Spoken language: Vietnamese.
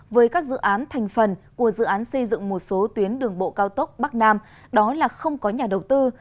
với các dự án thành phần của dự án xây dựng một số tuyến đường bộ cao tốc bắc nam đó là không có nhà đầu tư